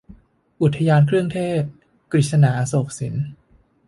อุทยานเครื่องเทศ - กฤษณา อโศกสิน